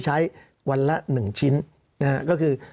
สำหรับกำลังการผลิตหน้ากากอนามัย